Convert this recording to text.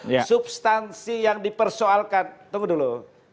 substansi yang dipersoalkan tunggu dulu